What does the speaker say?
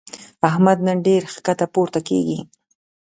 احمد نن ډېر ښکته پورته کېږي.